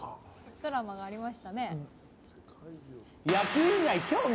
ドラマがありましたね。